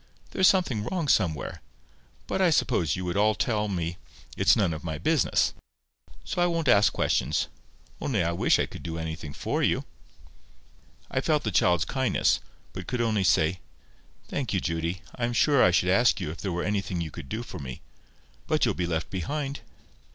There's something wrong somewhere. But I suppose you would all tell me it's none of my business. So I won't ask questions. Only I wish I could do anything for you." I felt the child's kindness, but could only say— "Thank you, Judy. I am sure I should ask you if there were anything you could do for me. But you'll be left behind."